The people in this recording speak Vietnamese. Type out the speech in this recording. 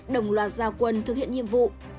đồng loạt giao quân thực hiện nhiệm vụ